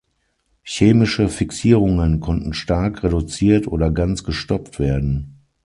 Chemische Fixierungen konnten stark reduziert oder ganz gestoppt werden.